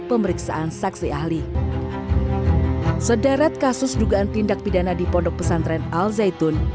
pemeriksaan saksi ahli sederet kasus dugaan tindak pidana di pondok pesantren al zaitun